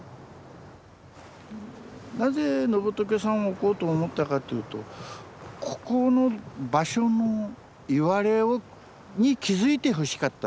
なぜ野仏さんを置こうと思ったかっていうとここの場所のいわれに気付いてほしかったっていうのがまずあるわけ。